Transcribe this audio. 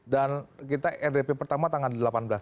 dan kita rdp pertama tanggal delapan belas